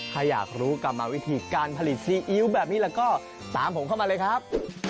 ใครอยากรู้กรรมวิธีการผลิตซีอิ๊วแบบนี้แล้วก็ตามผมเข้ามาเลยครับ